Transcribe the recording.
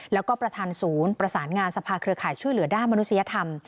แล้วก็ประธานศูนย์ประสานงานสภาเครือข่ายช่วยเหลือด้านมนุษยธรรม